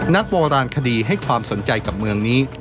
นักโบราณคดีให้ความสนใจกับเมืองนี้